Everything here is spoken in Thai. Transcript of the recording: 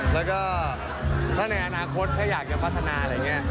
แล้วก็ถ้าในอนาคตถ้าอยากจะพัฒนาอะไรอย่างนี้